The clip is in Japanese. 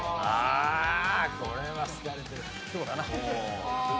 これは好かれてる。